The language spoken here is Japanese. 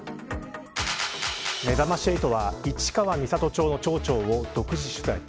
めざまし８は市川三郷町の町長を独自取材。